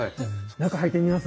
中入ってみます？